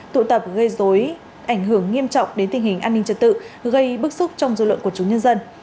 tụ tập gây dối ảnh hưởng nghiêm trọng đến tình hình an ninh trật tự gây bức xúc trong dư luận của chúng nhân dân